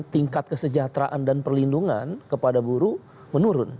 tingkat kesejahteraan dan perlindungan kepada guru menurun